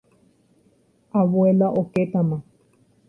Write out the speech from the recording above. abuela okétama.